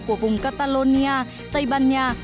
của vùng catalonia tây ban nha